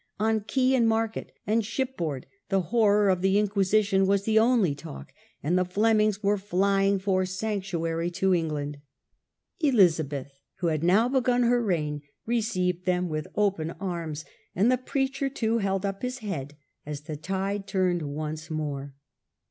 On quay, and market, and shipboard the horror of the Inquisition was the only talk, and the Flemings were flying for sanctuary to England. Elizabeth, who had now begun her reign, received them with open arms, and the preacher too held up his head as the tide turned once more.